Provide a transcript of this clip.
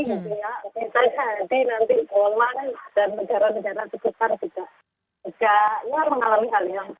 mereka bisa bekerja sehari hari